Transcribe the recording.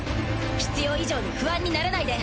必要以上に不安にならないで。